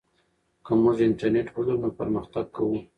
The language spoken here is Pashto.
که موږ انټرنیټ ولرو نو پرمختګ کوو.